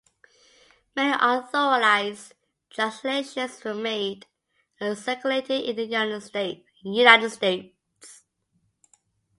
Many unauthorized translations were made and circulated in the United States.